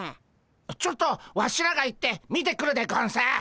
ちょっとワシらが行って見てくるでゴンス。